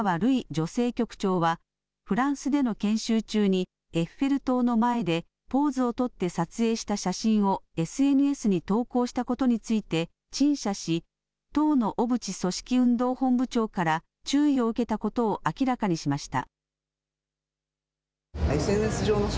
女性局長は、フランスでの研修中に、エッフェル塔の前で、ポーズを取って撮影した写真をＳＮＳに投稿したことについて、陳謝し、党の小渕組織運動本部長から注意を受けたことを明らかにしました。